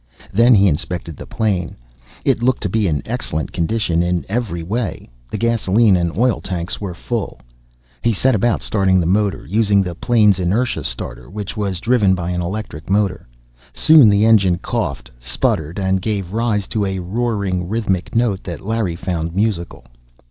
Then he inspected the plane. It looked to be in excellent condition in every way. The gasoline and oil tanks were full. He set about starting the motor, using the plane's inertia starter, which was driven by an electric motor. Soon the engine coughed, sputtered, and gave rise to a roaring, rhythmic note that Larry found musical.